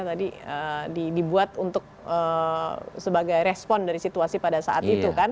tadi dibuat untuk sebagai respon dari situasi pada saat itu kan